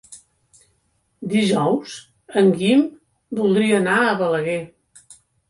Dijous en Guim voldria anar a Balaguer.